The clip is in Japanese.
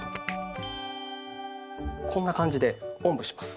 こんな感じでおんぶします。